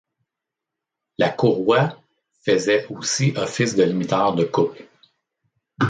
La courroie faisait aussi office de limiteur de couple.